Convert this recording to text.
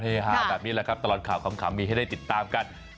สนุกสนานให้ค่ะแบบนี้แหละครับตลอดข่าวขำมีให้ได้ติดตามกัน